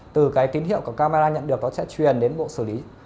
từ cái tín hiệu của camera nhận được nó sẽ truyền đến bộ xử lý